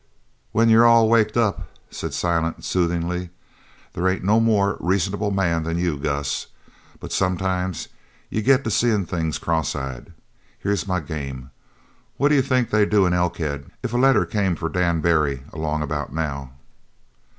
"When you're all waked up," said Silent soothingly, "they ain't no more reasonable man than you, Gus. But sometimes you get to seein' things cross eyed. Here's my game. What do you think they'd do in Elkhead if a letter came for Dan Barry along about now?"